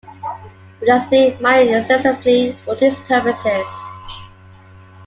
It has been mined extensively for these purposes.